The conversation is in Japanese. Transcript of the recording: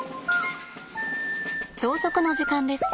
朝食の時間です。